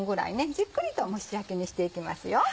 じっくりと蒸し焼きにしていきます。